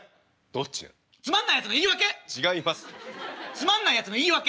つまんないやつの言い訳。